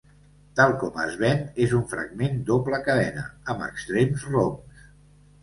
Tal com es ven és un fragment doble cadena, amb extrems roms.